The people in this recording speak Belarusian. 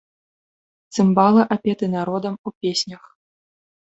Цымбалы апеты народам у песнях.